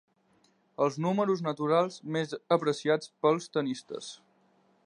Els números naturals més apreciats pels tennistes.